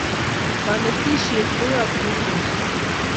Kanetishet koyate kurkeshek